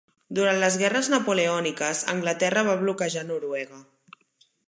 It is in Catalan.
Durant les Guerres Napoleòniques, Anglaterra va bloquejar Noruega.